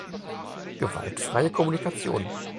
Gewaltfreie Kommunikation